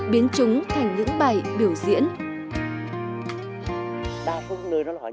biến chúng thành những bài biểu diễn